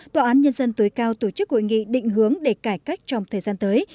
tòa án nhân dân tối cao tổ chức hội nghị định hướng để cải cách trong thời gian tới